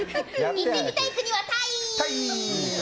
行ってみたい国はタイ！